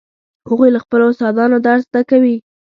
هغوی له خپلو استادانو درس زده کوي